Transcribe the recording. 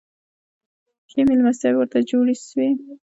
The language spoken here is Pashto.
ښې مېلمستیاوي ورته جوړي سوې.